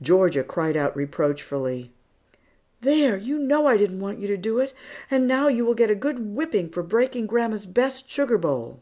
Georgia cried out reproachfully, "There, you know I didn't want you to do it, and now you will get a good whipping for breaking grandma's best sugar bowl!"